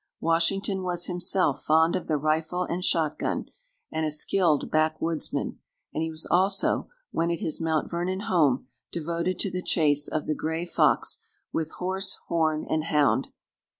Washington was himself fond of the rifle and shot gun, and a skilled backwoodsman; and he was also, when at his Mount Vernon home, devoted to the chase of the gray fox with horse, horn, and hound.